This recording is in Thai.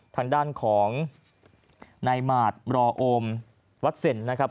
ทางด้านของนายหมาดรอโอมวัดเซ็นนะครับ